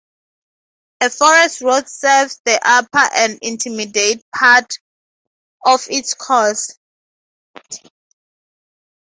A forest road serves the upper and intermediate part of its course.